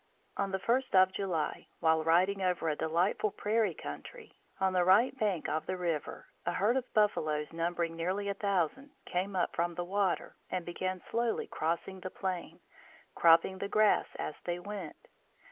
On the first of July, while riding over a delightful prairie country, on the right bank of the river, a herd of buffaloes, numbering nearly a thousand, came up from the water and began slowly crossing the plain, cropping the grass as they went.